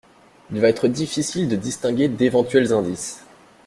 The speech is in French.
Il va être difficile de distinguer d’éventuels indices.